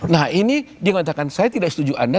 nah ini dia mengatakan saya tidak setuju anda